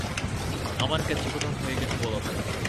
আমার কেচ্ছা খতম হয়ে গেছে, বলদ।